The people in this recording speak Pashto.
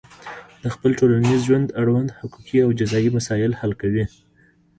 د خپل ټولنیز ژوند اړوند حقوقي او جزایي مسایل حل کوي.